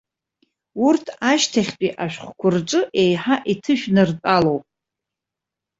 Урҭ ашьҭахьтәи ашәҟәқәа рҿы еиҳа иҭышәнартәалоуп.